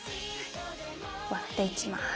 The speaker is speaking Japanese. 割っていきます。